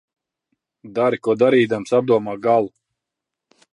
Dari ko darīdams, apdomā galu.